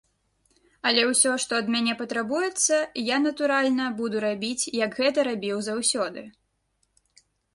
Але ўсё, што ад мяне патрабуецца, я, натуральна, буду рабіць, як гэта рабіў заўсёды.